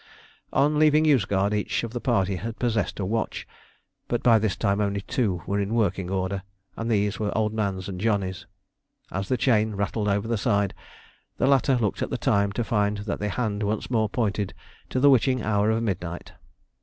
On leaving Yozgad each of the party had possessed a watch, but by this time only two were in working order, and these were Old Man's and Johnny's. As the chain rattled over the side, the latter looked at the time, to find that the hand once more pointed to the witching hour of midnight.